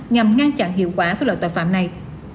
nhằm ngăn chặn hiệu quả với loại tội phạm này